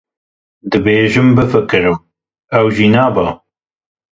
Dibêjim bifikirim, ew jî nabe.